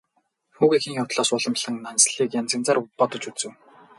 Хүүгийнхээ явдлаас уламлан Нансалыг янз янзаар бодож үзэв.